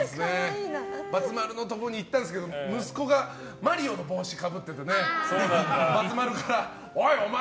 ばつ丸のところに行ったんですけど息子がマリオの帽子かぶっててばつ丸からおい、お前！